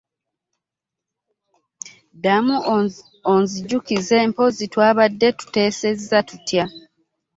Ddamu onzijukize mpozzi twabadde tuteesezza tutya?